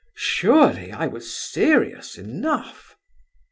Surely I was serious enough?"